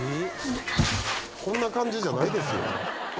「こんな感じ」じゃないですよ。